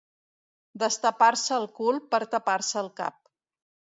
Destapar-se el cul per tapar-se el cap.